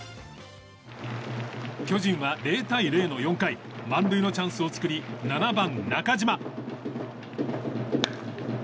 巨人は０対０の４回満塁のチャンスを作り７番、中島。